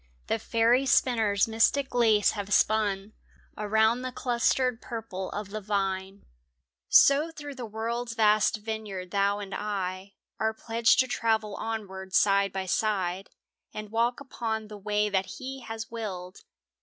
The fairy spinners mystic lace have spun Around the clustered purple of the vine. So through the world's vast vineyard thou and I Are pledged to travel onward side by side And walk upon the way that He has willed.